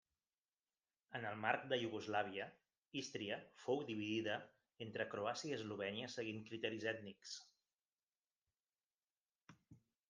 En el marc de Iugoslàvia, Ístria fou dividida entre Croàcia i Eslovènia seguint criteris ètnics.